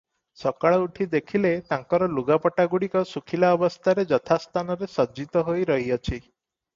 ସକାଳୁ ଉଠି ଦେଖିଲେ, ତାଙ୍କର ଲୁଗାପଟା ଗୁଡ଼ିକ ଶୁଖିଲା ଅବସ୍ଥାରେ ଯଥା ସ୍ଥାନରେ ସଜ୍ଜିତ ହୋଇ ରହିଅଛି ।